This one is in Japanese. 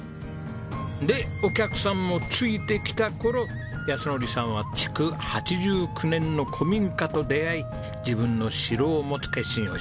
でお客さんもついてきた頃靖典さんは築８９年の古民家と出会い自分の城を持つ決心をします。